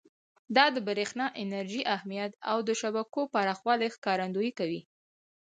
دا د برېښنا انرژۍ اهمیت او د شبکو پراخوالي ښکارندویي کوي.